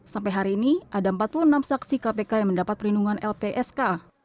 sampai hari ini ada empat puluh enam saksi kpk yang mendapat perlindungan lpsk